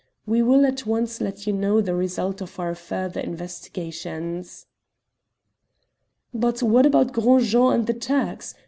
We will at once let you know the result of our further investigations." "But what about Gros Jean and the Turks?